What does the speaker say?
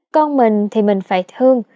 con mình thì mình phải thương